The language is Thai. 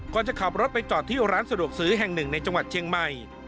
จะขับรถไปจอดที่ร้านสะดวกซื้อแห่งหนึ่งในจังหวัดเชียงใหม่